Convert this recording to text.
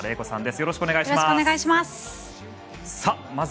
よろしくお願いします。